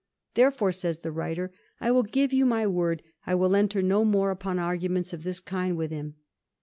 * Therefore/ says the writer, ' I will give you my word I will enter no more upon arguments of this kind with him.'